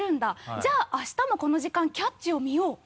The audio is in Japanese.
じゃああしたもこの時間「キャッチ！」を見よう。